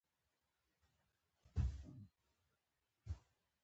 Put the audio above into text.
باز د قرباني مرغه تعقیبوي